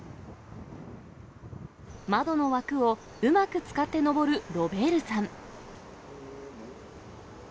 窓の枠をうまく使って登るロベールさん。